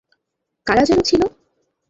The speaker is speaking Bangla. কারা যেন ছিলে?